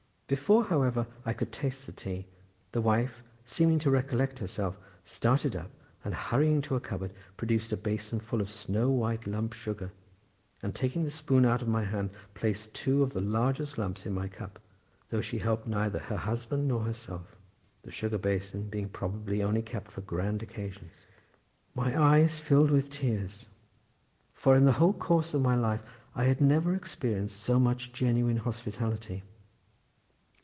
Before, however, I could taste the tea, the wife, seeming to recollect herself, started up, and hurrying to a cupboard, produced a basin full of snow white lump sugar, and taking the spoon out of my hand, placed two of the largest lumps in my cup, though she helped neither her husband nor herself; the sugar basin being probably only kept for grand occasions. My eyes filled with tears; for in the whole course of my life I had never experienced so much genuine hospitality.